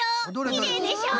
きれいでしょ？